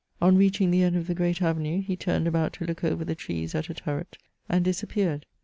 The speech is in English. On reaching the end of the great avenue, he turned about to look over the trees at a turret, and disap peared.